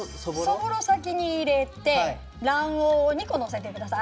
そぼろ先に入れて卵黄を２個のせてください。